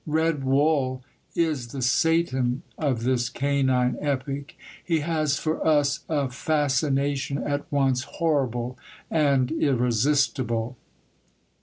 Red Wull is the Satan of this canine epic; he has for us a fascination at once horrible and irresistible.